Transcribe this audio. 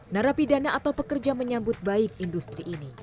narapidana atau pekerja menyambut baik industri ini